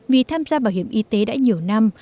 vì tham gia bảo hiểm y tế đã nhiều năm